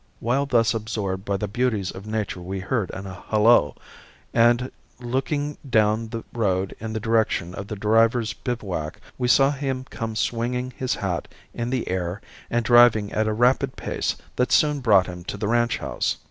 While thus absorbed by the beauties of nature we heard an halloo, and looking down the road in the direction of the driver's bivouac we saw him coming swinging his hat in the air and driving at a rapid pace that soon brought him to the ranch house.